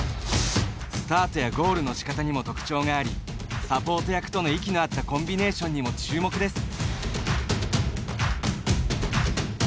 スタートやゴールのしかたにも特徴がありサポート役との息の合ったコンビネーションにも注目です。